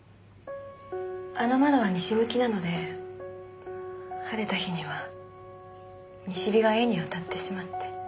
あの窓は西向きなので晴れた日には西日が絵に当たってしまって。